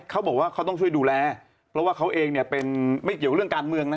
เขาบอกว่าเขาต้องช่วยดูแลเพราะว่าเขาเองเนี่ยเป็นไม่เกี่ยวเรื่องการเมืองนะ